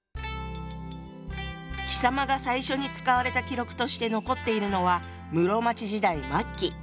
「貴様」が最初に使われた記録として残っているのは室町時代末期。